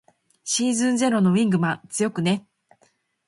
シーズンゼロのウィングマン強くね。